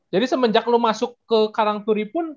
jadi semenjak lu masuk ke karangturi pun